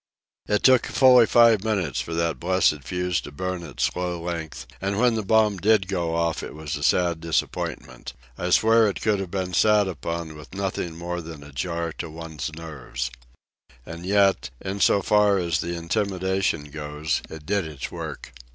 It took fully five minutes for that blessed fuse to burn its slow length, and when the bomb did go off it was a sad disappointment. I swear it could have been sat upon with nothing more than a jar to one's nerves. And yet, in so far as the intimidation goes, it did its work.